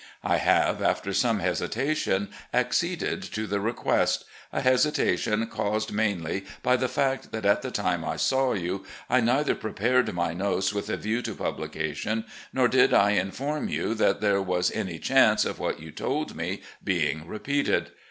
I have, after some hesitation, acceded to the request — a hesitation caused mainly by the fact that at the time I saw you I neither prepared my notes with a view to publication nor did I inform you that there was any chance of what you told me being repeated.